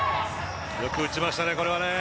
よく打ちましたね、これは。